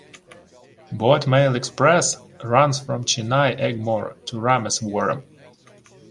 Boat mail express runs from Chennai Egmore to Rameswaram.